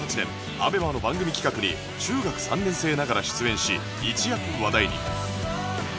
ＡＢＥＭＡ の番組企画に中学３年生ながら出演し一躍話題に